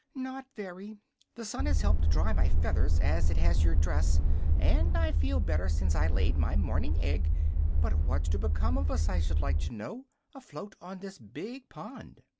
"Not very. The sun has helped to dry my feathers, as it has your dress, and I feel better since I laid my morning egg. But what's to become of us, I should like to know, afloat on this big pond?"